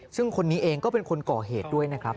ซึ่งคนนี้เองก็เป็นคนก่อเหตุด้วยนะครับ